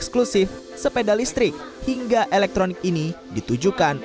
eksklusif sepeda listrik hingga elektronik ini ditujukan